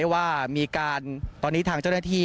ว่ามีการตอนนี้ทางเจ้าหน้าที่